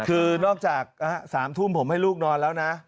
คือนอกจาก๓ทุ่มผมให้ลูกนอนแล้วนะ